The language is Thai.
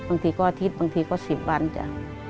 บางทีก็อาทิตย์บางทีก็๑๐วันจ้ะ